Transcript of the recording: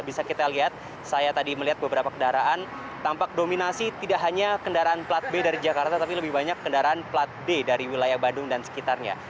bisa kita lihat saya tadi melihat beberapa kendaraan tampak dominasi tidak hanya kendaraan plat b dari jakarta tapi lebih banyak kendaraan plat d dari wilayah badung dan sekitarnya